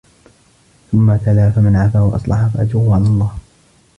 ثُمَّ تَلَا فَمَنْ عَفَا وَأَصْلَحَ فَأَجْرُهُ عَلَى اللَّهِ